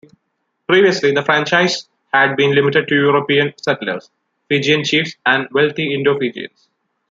Previously, the franchise had been limited to European settlers, Fijian chiefs, and wealthy Indo-Fijians.